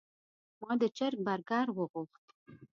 ما د چرګ برګر وغوښت.